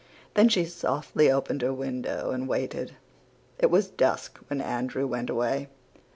Then she softly opened her window and waited. "It was dusk when Andrew went away.